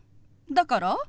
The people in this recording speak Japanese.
だから？